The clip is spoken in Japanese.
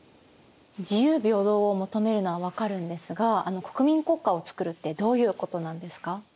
自由平等を求めるのは分かるんですが国民国家を作るってどういうことなんですか？